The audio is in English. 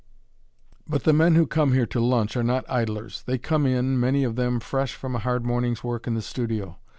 But the men who come here to lunch are not idlers; they come in, many of them, fresh from a hard morning's work in the studio.